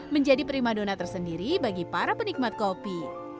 menjadi prima dona tersendiri bagi para penikmat kopi